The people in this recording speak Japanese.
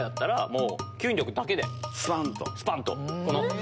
スパン！と。